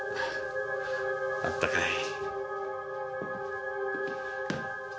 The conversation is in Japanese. あったかい。